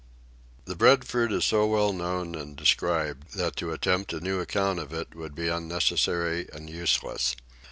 ... The Breadfruit is so well known and described that to attempt a new account of it would be unnecessary and useless.